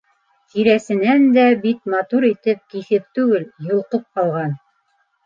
Тирәсенән дә бит матур итеп киҫеп түгел, йолҡоп алған...